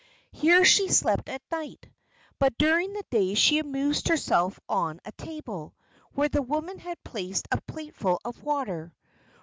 Here she slept at night, but during the day she amused herself on a table, where the woman had placed a plateful of water.